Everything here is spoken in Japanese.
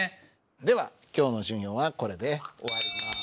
では今日の授業はこれで終わります。